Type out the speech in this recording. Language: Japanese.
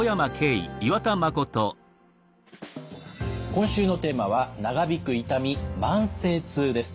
今週のテーマは「長引く痛み慢性痛」です。